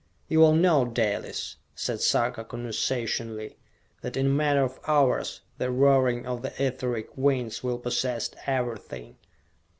"You will note, Dalis," said Sarka conversationally, "that in a matter of hours, the roaring of the Etheric winds will possess everything!